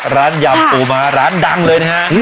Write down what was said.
ร้านยำปูม้าร้านดังเลยนะครับ